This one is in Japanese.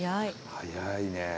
早いね。